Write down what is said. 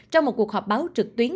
trong một cuộc họp báo trực tuyến